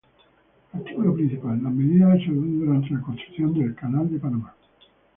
Artículo principal: Las Medidas de Salud durante la construcción del canal de Panamá.